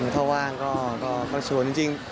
ถ้าว่างก็สวนจริง